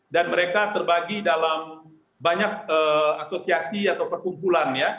dan mereka terbagi dalam banyak asosiasi atau perkumpulan ya